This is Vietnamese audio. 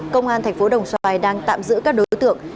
công an thành phố đồng xoài đang tạm giữ các đối tượng